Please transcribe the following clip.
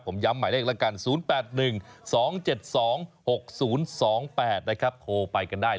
ผมย้ำหมายเลขละกัน๐๘๑๒๗๒๖๐๒๘โทรไปกันได้